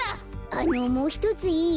あのもうひとついい？